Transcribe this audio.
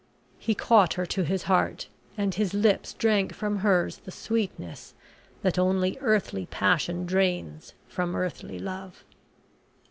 He caught her to his heart, and his lips drank from hers the sweetness that only earthly passion drains from earthly love.